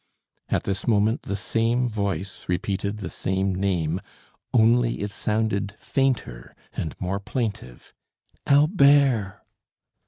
At this moment the same voice repeated the same name, only it sounded fainter and more plaintive. "Albert!"